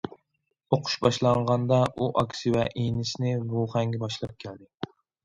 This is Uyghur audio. ئوقۇش باشلانغاندا ئۇ ئاكىسى ۋە ئىنىسىنى ۋۇخەنگە باشلاپ كەلدى.